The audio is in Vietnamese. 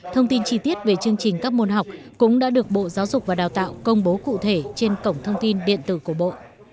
thông tin chi tiết về chương trình các môn học cũng đã được bộ giáo dục và đào tạo công bố cụ thể trên cổng thông tin điện tử của bộ